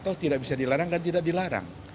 toh tidak bisa dilarang dan tidak dilarang